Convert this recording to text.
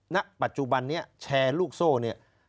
ณปัจจุบันนี้แชร์ลูกโซ่เนี่ย